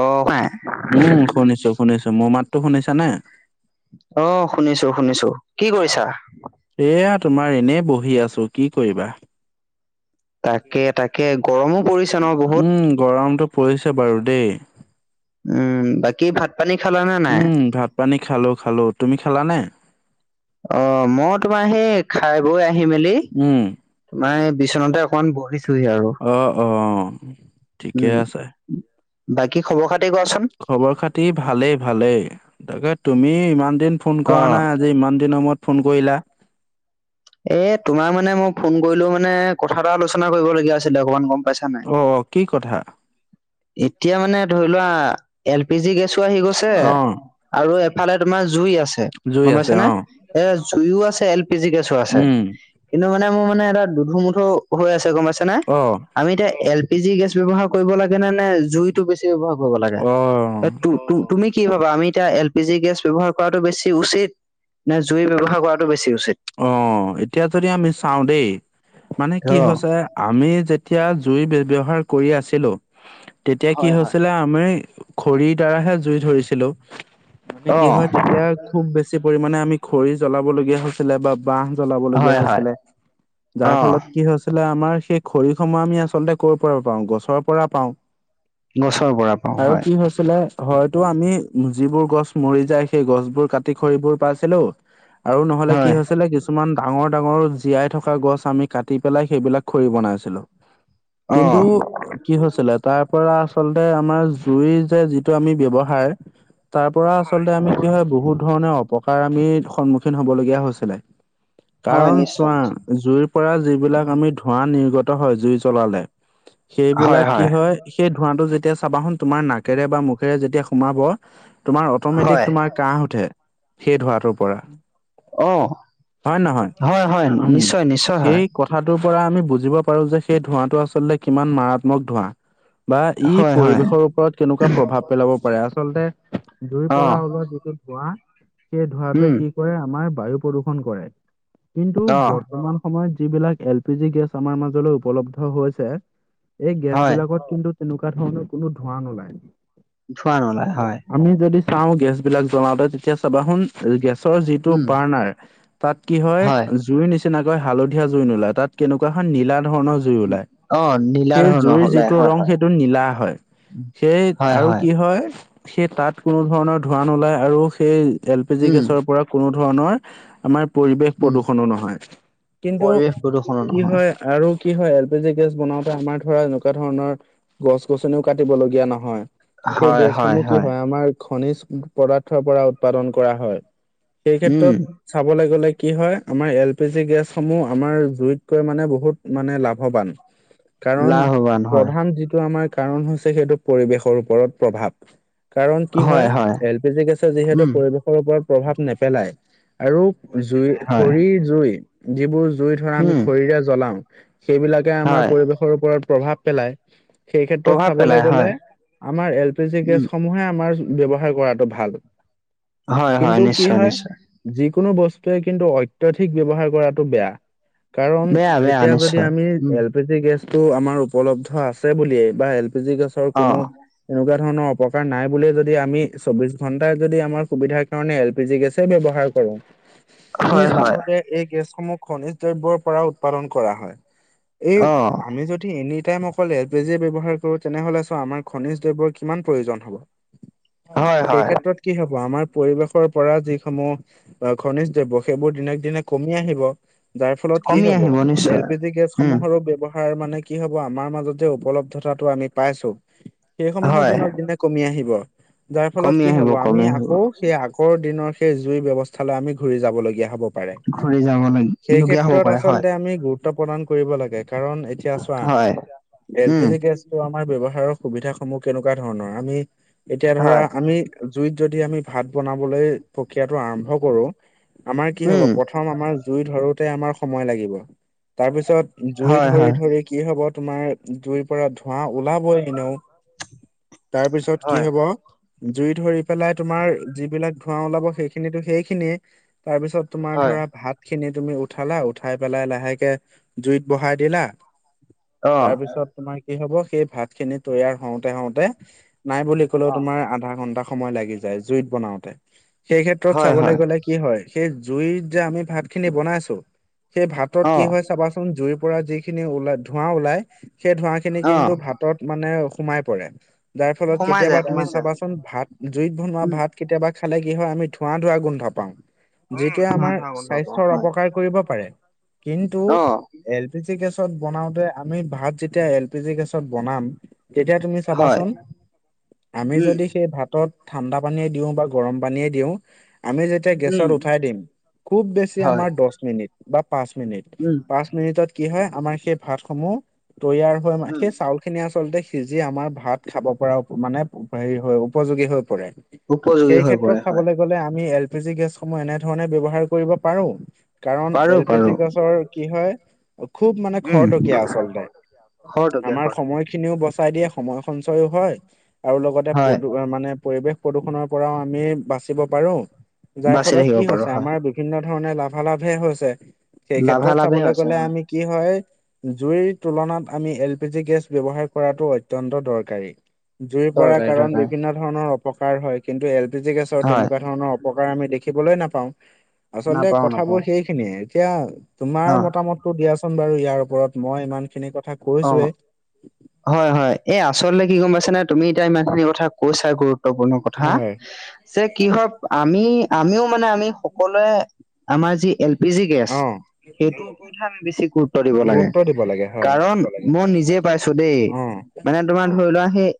অ ভাই। উম শুনিছো শুনিছো, মোৰ মাতো শুনিছা নে? অ শুনিছো শুনিছো, কি কৰিছা? এয়া তোমাৰ এনেই বহি আছো, কি কৰিবা? তাকে তাকে গৰমো পৰিছে ন বহুত? উম গৰমটো পৰিছে বাৰু দেই। উম বাকী ভাত পানী খালা নে? নাই উম ভাত - পানী খালো খালো, তুমি খালানে? অ মই তোমাৰ সেই খাই বৈ আহি মেলি উম। তোমাৰ এই বিচনাতে অকনমান বহিছোহি আৰু। অঁ অঁ। উম, বাকী খবৰ খাতি কোৱাচোন? খবৰ - খাতি ভালেই - ভালেই তাকে তুমি ইমান দিন ফোন অ কৰা নাই যে ইমান দিনৰ মোৰত ফোন কৰিলা। এ তোমাৰ মানে মই ফোন কৰিলো মানে কথা এটা আলোচনা কৰিবলগীয়া আছিলে অকমান গম পাইছা ন। অঁ কি কথা? এতিয়া মানে ধৰি লোৱা এল পি জি গেছো আহি গৈছে। অ আৰু এফালে তোমাৰ জুই আছে জুই গম পাইছে আছে নে? অ এ জুইও আছে, এল পি জি গেছ ছোঁ আছে উম কিন্তু মানে মোৰ মানে এটা দুধু - মুধু হৈ আছে গম পাইছে নে? অ আমি এতিয়া এল পি জি গেছ ব্যৱহাৰ কৰিব লাগে নে নে জুইটো বেছি ব্যৱহাৰ কৰিব লাগে? অ এ তু তু তুমি কি ভাবা আমি এতিয়া এল পি জি গেছ ব্যৱহাৰ কৰাটো বেছি উচিত নে জুই ব্যৱহাৰ কৰাটো বেছি উচিত? অ এতিয়া যদি আমি চাও দেই মানে কি অ হৈছে আমি যেতিয়া জুই ব্য ব্যৱহাৰ কৰি আছিলো তেতিয়া কি হয় হয় হৈছিলে আ মানে খৰিৰ দ্বাৰাহে জুই ধৰিছিলো মানে অ কি হয় তেতিয়া খুব বেছি পৰিমাণে আমি খৰি জ্বলাবলগীয়া হৈছিলে বা বাহ জ্বলাবলগীয়া হয় হয় হৈছিলে যাৰ অ ফলত কি হৈছিলে আমাৰ সেই খৰিসমূহ আমি আচলতে কৰ' পৰা পাওঁ, গছৰ পৰা পাও। গছৰ পৰা পাওঁ আৰু হয় কি হৈছে চিলে হয়তো আমি যিবোৰ গছ মৰি যায় সেই গছবোৰ কাতি খৰিবোৰ পাইছিলো। আৰু নহলে হয় কি হৈছিলে কিছ কিছুমান ডাঙৰ - ডাঙৰ জীয়াই থকা গছ আমি কাটি পেলাই সেইবিলাক খৰি বনাইছিলো। অ কিন্তু কি হৈছিলে তাৰ পৰা আচলতে আমাৰ জুইৰ যে যিটো আমি ব্যৱহাৰ তাৰ পৰা আচলতে আমি কি হয় বহুত ধৰণৰ অপকাৰ আমি সন্মুখীন হব লগীয়া হৈছিলে। হয় কাৰণ নিশ্চয় চোৱা, নিশ্চয় জুইৰ পৰা যিবিলাক আমি ধোঁৱা নিৰ্গত হয় জুই জলালে সেইবিলাক কি হয় সেই ধোৱাটো যেতিয়া চাবা হুন তোমাৰ নাকেৰে বা মুখেৰে যেতিয়া সোমাব তোমাৰ অট'মেটিক হয় তোমাৰ কাহ উঠে সেই ধোৱাটোৰ পৰা। অ, হয় নহয় হয় হয় উম নিশ্চয় নিশ্চয় হয়। সেই কথাটোৰ পৰা আমি বুজিব পাৰো যে সেই ধোঁৱাটো আচলতে কিমান মাৰাত্মক ধোঁৱা। বা ই হয় হয় পৰিৱেশৰ ওপৰত কেনেকুৱা প্ৰভাৱ পেলাব পাৰে আচলতে জুই অ পৰা ওলোৱা যিটো ধোঁৱা সেই ধোঁৱাটোৱে উম কি কৰে আমাৰ বায়ু প্ৰদূ্ষন কৰে। কিন্তু অ বৰ্তমান সময়ত যিবিলাক এল পি জি গেছ আমাৰ মাজলৈ উপলব্ধ হৈছে। এই হয় গেছবিলাকত কিন্তু তেনেকুৱা ধৰণৰ কোনো ধোঁৱা নোলায়। ধোৱা নোলাই হয়। আমি যদি চাওঁ গেছবিলাক জ্বলাওঁতে তেতিয়া চাবাচোন গেছৰ যিটো উম, বাৰ্ণাৰ তাত কি হয় জুই নিচিনাকৈ হালধীয়া জুই নোলায় তাত কেনেকুৱা হয় নীলা ধৰণৰ জুই ওলাই, অ', নীলা সেই ধৰণৰ জুইৰ হ'লে যিটো হয়, ৰং হয়। সেইটো নীলা হয়। সেই আৰু কি হয় সেই তাত কোনো ধৰণৰ ধোঁৱা নোলায় ওলাই আৰু সেই এল পি জি উম, গেছৰ পৰা কোনো ধৰণৰ আমাৰ পৰিৱেশ উম, প্ৰদূষণো নহয় কিন্তু পৰিৱেশ প্ৰদূষণো কি নহয়। হয় আৰু কি হয় এল পি জি গেছ বনাওঁতে আমাৰ ধৰা এনেকুৱা ধৰণৰ গছ - গছনিও কাটিব লগীয়া নহয়। সেই গেছসমূহ কি হয় আমাৰ খনিজ পদাৰ্থৰ পৰা উৎপাদন কৰা হয়। সেই উম, ক্ষেত্ৰত চাবলৈ গ'লে কি হয় আমাৰ এল পি জি গেছসমূহ আমাৰ জুইতকৈ মানে বহুত মানে লাভৱান। [inaudible] কাৰণ লাভৱান হয়, প্ৰধান যিটো আমাৰ কাৰণ হৈছে সেইটো পৰিৱেশৰ ওপৰত প্ৰভাৱ। কাৰণ কি হয় এল পি জি গেছেৰ যিহেতু উম, পৰিৱেশৰ ওপৰত প্ৰভাৱ নেপেলায় আৰু জুই হয়, খৰি জুই যিবোৰ জুই ধৰা আমি উম, খৰিৰে জ্বলাও সেইবিলাকে আমাৰ হয়, পৰিৱেশৰ ওপৰত প্ৰভাৱ পেলায়। সেই ক্ষেত্ৰত প্ৰভাৱ পেলাই চাবলৈ হয়, গ'লে আমাৰ এল পি জি উম, গেছসমূহে আমাৰ ব্যৱহাৰ কৰাটো ভাল হয়, হয়, কিন্তু কি নিশ্চয়, হয় নিশ্চয়, যিকোনো বস্তুৱে কিন্তু অত্যাধিক ব্যৱহাৰ কৰাটো বেয়া। কাৰণ বেয়া, বেয়া এতিয়া যদি নিশ্চয়, আমি উম, এল পি জি গেছটো আমাৰ উপলব্ধ আছে বুলিয়েই বা এল পি জি গেছৰ কোনো অ', এনেকুৱা ধৰণৰ অপকাৰ নাই বুলি যদি আমি চৌবিশ ঘন্টাই যদি আমাৰ সুবিধাৰ কাৰণে এল পি জি গেছে ব্যৱহাৰ কৰে, আমি হয়, হয়, জানো যে এই গেছসমূহ খনিজ দ্ৰব্যৰ পৰা উৎপাদন কৰা হয়। এই অ', আমি যদি এনিটাইম অকল এল পি জিয়ে ব্যৱহাৰ কৰোঁ তেনেহলে চোৱা আমাৰ খনিজ দ্ৰব্যৰ কিমান প্ৰয়োজন হ'ব? হয়, সেই হয়, ক্ষেত্ৰত কি হ'ব আমাৰ পৰিৱেশৰ পৰা যিসমূহ বা খনিজ দ্ৰৱ্য সেইবোৰ দিনেক দিনে কমি আহিব। যাৰ ফলত কি কমি হব আহিব এল নিশ্চয়, পি জি উম, গেছসমূহৰো ব্যৱহাৰ হাৰ মানে কি হব আমাৰ মাজত যে উপলব্ধতাটো আমি পাইছো সেইসমূহৰ হয়, দিনক দিনে কমি আহিব যাৰ ফলত কমি কি আহিব, হ'ব কমি আমি আহিব, আকৌ। সেই আগৰ দিনৰ সেই জুই ব্যৱস্থা লৈ আমি ঘূৰি যাব লগীয়া হ'ব। পাৰে ঘূৰি যাব সেই লগীয়া হ'ব ক্ষেত্ৰত পাৰে হয়, আচলতে আমি গুৰুত। গুৰুত্ব প্ৰদান কৰিব লাগে কাৰণ এতিয়া চোৱা হয়, এল পি উম, জি গেছ। আমাৰ ব্যৱহাৰৰ সুবিধা সমূহ কেনেকুৱা ধৰণৰ আমি এতিয়া ধৰা হয়, আমি। জুইত যদি আমি ভাত বনাবলৈ প্ৰক্ৰিয়াটো আৰম্ভ কৰো আমাৰ কি হ'ব উম, প্ৰ থম আমাৰ জুই ধৰোতে আমাৰ সময় লাগিব তাৰ পিছত জুই হয়, ধৰি হয়, ধৰি। কি হ'ব তোমাৰ জুইৰ পৰা ধোঁৱা ওলাবই এনেও। তাৰ পিছত কি হয়, হ'ব জুই ধৰি পেলাই তোমাৰ যিবিলাক ধোঁৱা ওলাব। সেইখিনি সেইখিনিয়ে তাৰ পিছত তোমাৰ হয়, ধৰা ভাত। খিনি তুমি উঠালা উঠাই পেলাই লাহেকে জুইত বহাই দিলা। অ', তাৰ পিছত তোমাৰ কি হব সেই ভাত খিনি তৈয়াৰ হওঁতে হওঁতে। নাই বুলি ক'লেও অ তোমাৰ আধা ঘণ্টা সময় লাগি যায় জুইত বনাওতে। সেই ক্ষেত্ৰত হয়, চাবলৈ হয়, গ'লে কি হয় সেই জুইত যে আমি ভাত খিনি বনাইছো। সেই ভাতত কি অ', হয় চাবাচোন জুইৰ পৰা যিখিনি ওলা ধোঁৱা ওলাই সেই ধোঁৱা খিনি কিন্তু অ', ভাত। ত মানে সোমাই পৰে যাৰ ফলত সোমাই কেতিয়াবা যায়, তুমি সোমাই যায়, চাবাচোন ভাত জুইত বনোৱা উম, ভাত। কেতিয়াবা খালে কি হয় আমি ধোৱা ধোৱা গোন্ধ পাওঁ। অ', যিটোৱে ধোঁৱা, আমাৰ ধোঁৱা গোন্ধ পাওঁ, স্বাস্থ্যৰ হয়, অপকাৰ কৰিব পাৰে কিন্তু। অ', এল পি জি গেছত বনাওতে আমি ভাত যেতিয়া এল পি জি গেছত বনাম। তেতিয়া তুমি হয়, চাবাচোন আমি উম, যদি সেই ভাতত ঠাণ্ডা পানীয়ে দিওঁ বা গৰম। পানীয়ে দিও আমি যেতিয়া গেছত উম, উঠাই দিম খুব বেছি হয়, আমাৰ দছ মিনিট বা পাঁচ মিনিট উম, পাঁচ মিনিটত কি হয় আমাৰ সেই ভাতসমূহ। তৈয়াৰ হয় মানে উম, সেই চাউল, খিনি আচলতে সিজি আমাৰ ভাত খাব পৰা মানে হেৰি হৈ উপযোগী হৈ পৰে। উপযোগী হৈ পৰে হয়। লে আমি এল পি জি গেছসমূহ এনেধৰণে ব্যৱহাৰ কৰিব পাৰো কাৰণ পাৰো, এল পি জি পাৰো, গেছৰ। কি হয় খুব মানে উম, খৰতকীয়া আচলতে খৰতকীয়া, আমাৰ খৰতকীয়া, সময়। খিনিও বচাই দিয়ে সময় সঞ্চয়ও হয় আৰু লগতে হয়, মানে পৰিৱেশ। প্ৰদূষণৰ পৰাও আমি বাচিব পাৰো যাৰ বাচি ফলত থাকিব কি পাৰো, হৈছে হয়, আমাৰ। বিভিন্ন ধৰণে লাভালাভে হৈছে সেই ক্ষেত্ৰত লাভালাভে চাবলৈ হৈছে, গ'লে হয়, আমি কি হয়। জুইৰ তুলনাত আমি এল পি জি গেছ ব্যৱহাৰ কৰাটো অত্যন্ত দৰকাৰী। জুই পৰাৰ দৰকাৰী, কাৰণ দৰকাৰী, বিভিন্ন ধৰণৰ অপকাৰ হয় কিন্তু এল পি জি গেছৰ হয়, তেনেকুৱা ধৰণৰ। অপকাৰ আমি দেখিবলৈ নাপাওঁ আচলতে নাপাওঁ, নাপাওঁ, কথাবোৰ সেইখিনিয়ে এতিয়া। তোমাৰ অ', মতামতটো দিয়াচোন বাৰু ইয়াৰ ওপৰত মই ইমান খিনি কথা। অ, কৈছোৱে। হয় হয় এই আচলতে কি গম পাইছা নাই তুমি এতিয়া ইমান খিনি কথা কৈছা গুৰুত্বপূৰ্ণ ক থা। হয় পিছে কি হব আমি আমিও মানে আমি সকলোৱে আমাৰ যি এল পি জি গেছ অ' সেইটোৰ ওপৰতহে আমি বেছি গুৰুত্ব দিব লাগে গুৰুত্ব দিব লাগে হয় কাৰণ, মই নিজে পাইছো দেই অ' মানে তোমাৰ ধৰি লোৱা সেই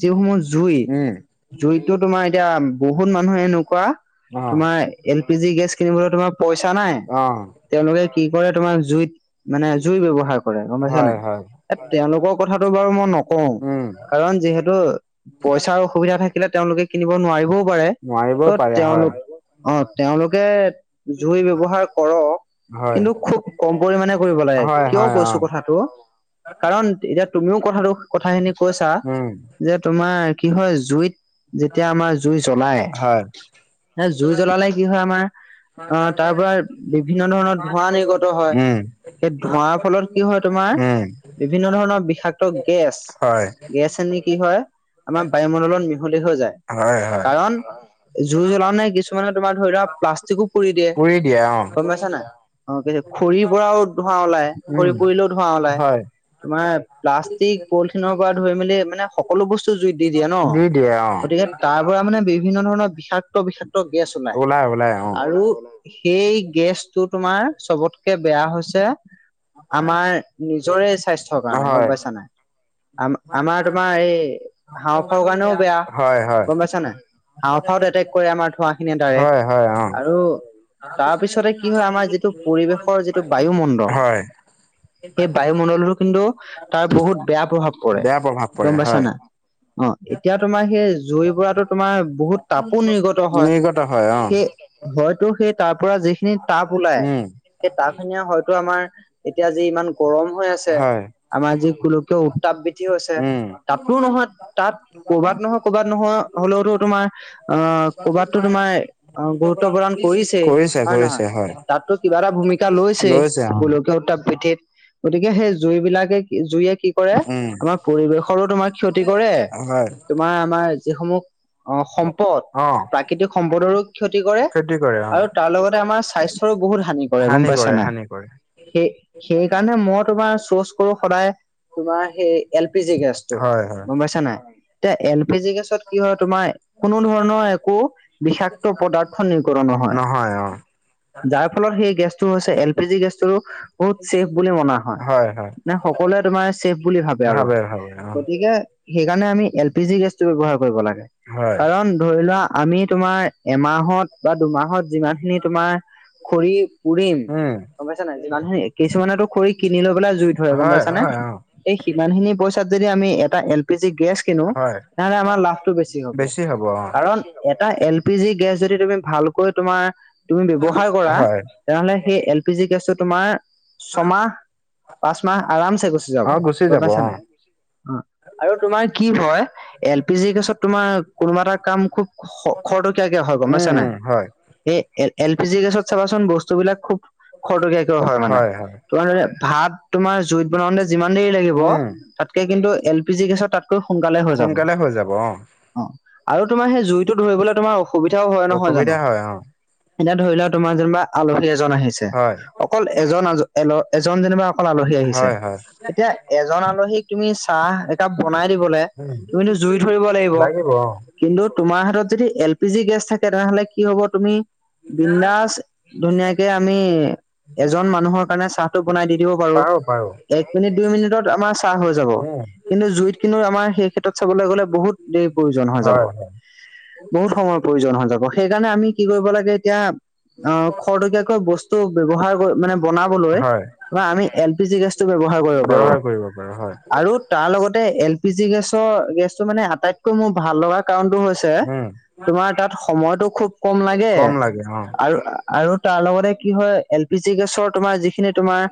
যিসমূহ জুই। উম। জুইতো তোমাৰ এতিয়া বহুত মানুহে এনেকুৱা অ' তোমাৰ। এল পি জি গেছ কিনিবলৈ তোমাৰ পইচা নাই অ' তেওঁলোকে কি কৰে তোমাৰ জুইত। মানে জুই ব্যৱহাৰ কৰে গম পাইছা হয় হয় নাই এ তেওঁলোকৰ কথাটো বাৰু মই নক কওঁ উম কাৰণ যিহেতু পইচাৰ অসুবিধা থাকিলে তেওঁলোকে কিনিব নোৱাৰিবও পাৰে। ত নোৱাৰিব পাৰে তেওঁলোক হয়। অ তেওঁলোকে জুই ব্যৱহাৰ কৰক। হয় কিন্তু খুব কম পৰিমমানে কৰিব লাগে হয় কিয় হয় অ' কৈছো কথাটো। কাৰণ এতিয়া তুমিও কথাটো কথাখিনি কৈছা উম। যে। তোমাৰ কি হয় জুইত যেতিয়া আমাৰ জুই জ্বলাই, হয়, জুই জ্বলালে কি হয় আমাৰ আহ তাৰ পৰা বিভিন্ন ধৰণৰ ধোঁৱা নিৰ্গত হয়। উম, সেই ধোৱাৰ ফলত কি হয় তোমাৰ উম, বিভিন্ন ধৰণৰ বিষাক্ত গেছ হয়, গেছখিনি কি হয় আমাৰ বায়ুমণ্ডলত মিহলি হৈ যায় হয়, হয়, কাৰণ জুই জ্বলাও নাই কিছুমানে তোমাৰ ধৰি লোৱা প্লাষ্টিকো পুৰি দিয়ে, গম পাইছা নাই? অ খৰি পৰাও ধোঁৱা ওলাই, উম, খৰি পুৰিলেও ধোঁৱা ওলায়। হয়, তোমাৰ প্লাষ্টিক পলিথিনৰ পৰা ধৰি মেলি মানে সকলো বস্তু জুইত দি দিয়ে ন। দিয়ে অ'। গতিকে তাৰ পৰা মানে বিভিন্ন ধৰণৰ বিষাক্ত বিষাক্ত গেছ ওলাই ওলাই অ', আৰু সেই গেছটো তোমাৰ চবতকে বেয়া হৈছে আমাৰ নিজ এ স্বাস্থ্যৰ কাৰণে গম হয়, পাইছা নাই? আম আমাৰ তোমাৰ এই হাঁওঁফওৰ কাৰণেও বেয়া হয়, হয়, গম পাইছা নাই? হাওফাওত এটেক কৰে আমাৰ ধোঁৱা খিনিয়ে ডাইৰেক্ট হয়, হয়, অ'। আৰু তাৰপিছতে কি হয় আমাৰ যিটো পৰিবেশৰ যিটো বায়ুমণ্ডল হয়, বায়ুমণ্ডলতো কিন্তু তাৰ বহুত বেয়া প্ৰভাৱ পৰে বেয়া প্ৰভাৱ পৰে গম পাইছা হয়, নাই? অ এতিয়া তোমাৰ সেই জুই কোৰাতো তোমাৰ বহুত তাপো নিৰ্গত হয় নিৰ্গত হয় অ', সেই হয়তো সেই তাৰ পৰা যি খিনি তাপ ওলাই উম, সেই তাপ খিনিয়ে হয়তো আমাৰ এতিয়া যি ইমান গৰম হৈ আছে হয়। আমাৰ যি গোলকীয় উত্তাপ বৃদ্ধি হৈছে উম। তাতো নহয় তাত কৰ'বাত নহয় কৰ'বাত নহয় হলেওতো তোমাৰ অ ক'ৰবাতো তোমাৰ অ গুৰুত্ব প্ৰদান কৰিছেই কৰিছে, হয়নে নহয়? কৰিছে হয়। তাতো কিবা এটা ভূমিকা লৈছেই লৈছে অ', গোলকীয় উত্তাপ পিঠিত গতিকে সেই জুইবিলাকে কি জুইয়ে কি কৰে, উম, আমাৰ পৰিৱেশৰো তোমাৰ ক্ষতি কৰে, হয়, তোমাৰ আমাৰ যিসমূহ অ সম্পদ, অ', প্ৰাকৃতিক সম্পদৰো ক্ষতি কৰে। খেতি কৰে আৰু অ'। তাৰ লগতে আমাৰ স্বাস্থ্যৰো বহুত হানি কৰে গম পাইছা নাই? সেই সেই সেই কাৰণে মই তোমাৰ চ'চ কৰো সদায় তোমাৰ সেই এল পি জি গেছটো হয়, হয়, গম পাইছা নাই এতিয়া এল পি জি গেছত কি হয় তোমাৰ কোনো ধৰণৰ একো বিষাক্ত পদাৰ্থ নিৰ্কৰণ নহয়। যাৰ ফলত সেই গেছটো হৈছে এল পি জি গেছটো বহুত ছেফ বুলি মনা হয় নে সকলোৱে তোমাৰ ছেফ বুলি ভাবে আৰু ভাবে অ'। গতিকে সেইকাৰণে আমি এল পি জি গেছটো ব্যৱহাৰ কৰিব লাগে হয় কাৰণ ধৰি লোৱা আমি তোমাৰ এমাহত বা দুমাহত যিমান খিনি তোমাৰ খৰি পুৰিম উম গম পাইছ নে যিমান কিছুমানো খৰি কিনি লৈ পেলাই জুই ধৰে গম হয় পাইছানে? হয় অ এই সিমান খিনি পইচাত যদি আমি এ এটা এল পি জি গেছ কিনো হয় তেতিয়াহলে আমাৰ লাভটো বেছি হ'ব কাৰণ। এটা এল পি জি গেছ যদি তুমি ভালকৈ তোমাৰ তুমি ব্যৱহাৰ কৰা হয় তেনেহ'লে সেই এল পি জি গেছটো তোমাৰ ছমাহ পাঁচ মাহ আৰাম চে গুচি যাব অ গম যাব পাইছা অ নাই? অ আৰু তোমাৰ কি হয় এল পি জি গেছত তোমাৰ কোনোবা এটা কাম খুব খৰ খৰটকিয়াকে হয় গম উম পাইছা উম নাই? হয় এই এ এল পি জি গেছত চাবাচোন বস্তু বিলাক খুব খৰতকীয়াকে হয় মানে। তোমাৰে ভাত তোমাৰ জুইত বনাওঁতে যিমান দেৰি লাগিব উম তাতকে কিন্তু এল পি জি গেছত তা সোনকালে হৈ যাব সোনকালে হৈ যাব অ আৰু তোমাৰ সেই জুইটো ধৰিবলে তোমাৰ অ সুবিধাও হয় নহয় জান অসুবিধা হয় অ এতিয়া ধৰি লোৱা তোমাৰ যেনিবা আলহী এজন আহিছে, হয় অকল এজন আজ এল- এজন যেনিবা অকল আলহী আহিছে হয় হয় এতিয়া এজন আলহীক তুমি চাহ কাপ বনাই দিবলে উম তুমিতো জুই ধৰিব লাগিব। কিন্তু তোমাৰ হাতত যদি এল পি জি গেছ থাকে তেনেহ'লে কি হব তুমি বিন্দাস ধুনীয়াকে আমি এজন মানুহৰ চাহটো বনাই দি দিব পাৰো, এক মিনিট দুইমিনিট আমাৰ চা চাহ হৈ যাব উম কিন্তু জুইত কিন্তু আমাৰ সেই ক্ষেত্ৰত চাবলৈ গ'লে বহুত দেৰি প্ৰয়োজন হৈ যাব। হয় হয় বহুত সময়ৰ প্ৰয়োজন হৈ যাব সেইকাৰণে আমি কি কৰিব লাগে এতিয়া অ খৰতকীয়াকৈ বস্তু ব্যৱহাৰ কৰি মানে বনাব ব লৈ হয় আমি এল পি জি গেছতো ব্যৱহাৰ কৰিব পাৰো ব্যৱহাৰ কৰিব পাৰো হয় আৰুত তাৰ লগতে এল পি জি গেছৰ গেছটো মানে আটাইতকৈ মোৰ ভাল লগা কাৰণটো হৈছে উম তোমাৰ তাত সময়তটো খুব কম লাগে কম লাগে অ আৰু আ আৰু তাৰ লগতে কি হয় এল পি জি গেছৰ তোমাৰ যিখিনি তোমাৰ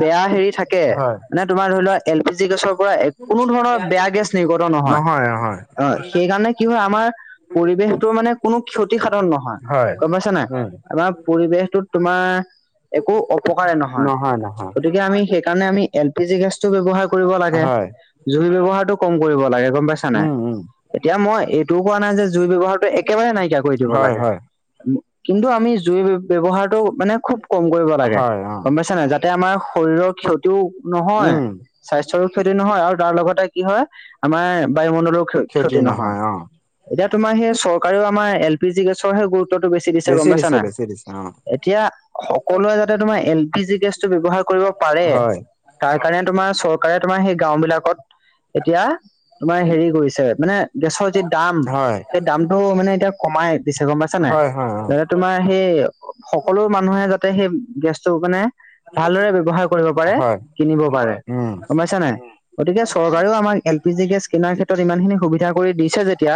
বেয়া হেৰি থাকে হয় মানে তোমাৰ ধৰি লোৱা এল পি জি গেছব পৰা কোনো ধৰণৰ বেয়া গেছ নিৰ্গত নহয় অ সেইকাৰণে কি হয় আমাৰ পৰিৱেশটো মানে কোনো ক্ষতিসাধন নহয় হয় গম পাইছা নাই উম আমাৰ পৰিৱেশটোত তোমাৰ একো অপকাৰে নহয় গতিকে আমি সেইকাৰণে আমি এল পি জি গেছটো ব্যৱহাৰ কৰিব লাগে হয় জুই ব্যৱহাৰটো কম কৰিব লাগে গম পাইছা নাই। উম উম এতিয়া মই এইটোও কোৱা নাই যে জুই ব্যৱহাৰত একেবাৰে নাইকিয়া কৰি দিব হয় লাগে হয় কিন্তু আমি জুই ব্যৱহাৰটো মানে খুব কম কৰিব লাগে হয় অ গম পাইছা নাই যাতে আমাৰ শৰীৰৰ ক্ষতিও নহয় উম স্বাস্থ্যৰো ক্ষতি নহয় আৰু তাৰ লগতে কি হয় আমাৰ বায়ুমণ্ডলো ক্ষতি নহয়। এতিয়া তোমাৰ সেই চৰকাৰেও আমাৰ এল পি জি গেছৰহে গুৰু- ত্ব বেছি দিছে গম পাইছা নাই বেছি দিছে অ এতিয়া সকলোৱে যাতে তোমাৰ এল পি জি গেছটো ব্যৱহাৰ কৰিব পাৰে হয় তাৰ কাৰণে তোমাৰ চৰকাৰে তোমাৰ সেই গাঁও বিলাকত এতিয়া তোমাৰ হেৰি কৰিছে মানে গেছৰ যি দাম হয় সে- দামটো মানে এতিয়া কমাই দিছে গম পাইছা নাই। হয় হয় অ তোমাৰ সেই সকলো মানুহে যাতে সেই গেছটো মানে ভালদৰে ব্যৱহাৰ কৰিব পাৰে, হয় কিনিব পাৰে। উম গম পাইছা নাই গতিকে চৰকাৰেও আমাক এল পি জি গেছ কিনাৰ ক্ষেত্ৰত ইমানখিনি সুবিধা কৰি দিছে যেতিয়া